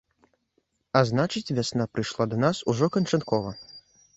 А значыць, вясна да нас прыйшла ўжо канчаткова.